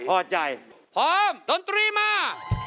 พร้อมดนตรีมา